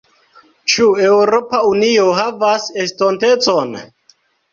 Ĉu Eŭropa Unio havas estontecon?